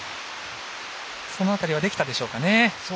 その辺りはできたでしょうかね。